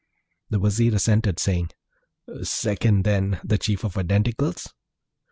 The Vizier assented, saying, 'Second, then, the Chief of Identicals?'